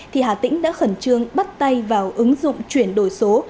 thì hà tĩnh đã khẩn trương bắt tay vào ứng dụng chuyển đổi số